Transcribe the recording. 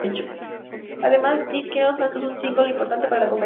Además, Dead Kennedys lanzó un "single" importante para la compañía.